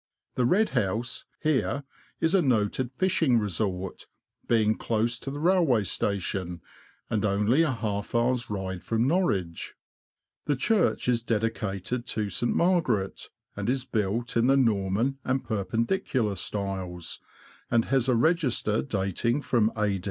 The " Red House " here is a noted fishing resort, being close to the railway station, and only a half hour's ride from Norwich. The church is dedicated to St. Margaret; it is built in the Norman and Per pendicular styles, and has a register dating from A.